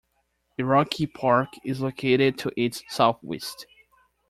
Iroquois Park is located to its southwest.